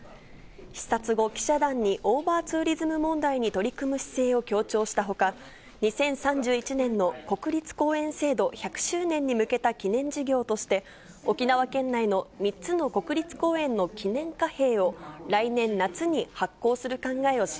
視察後、記者団にオーバーツーリズム問題に取り組む姿勢を強調したほか、２０３１年の国立公園制度１００周年に向けた記念事業として、沖縄県内の３つの国立公園の記念貨幣を来年夏に発行する考えを示